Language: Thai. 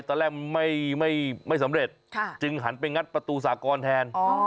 ตอนแรกไม่สำเร็จจึงหันไปงัดประตูสากรแทน